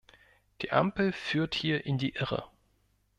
Die Ampel führt hier in die Irre.